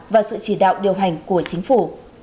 và sự chỉ đạo điều hành của chính phủ